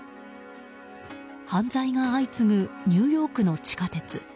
犯罪が相次ぐニューヨークの地下鉄。